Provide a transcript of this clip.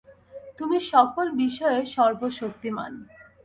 তুমি সকল বিষয়ে সর্বশক্তিমান।